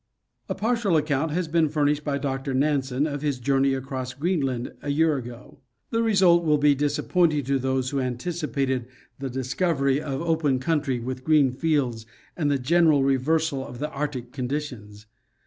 A partial account has been furnished by Dr. Nansen of his journey across Greenland a year ago. The result will be disap pointing to those who anticipated the discovery of open country with green fields and the general reversal of the Arctic conditions.